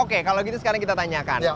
oke kalau gitu sekarang kita tanyakan